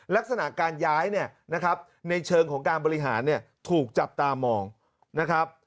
ลักษณะการย้ายเนี่ยในเชิงของการบริหารถูกจับตามองนะครับ